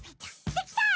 できた！